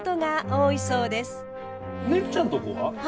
ねるちゃんとこは？